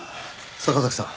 坂崎さん。